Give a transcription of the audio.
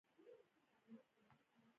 له نوم څخه باید سوء استفاده ونه شي.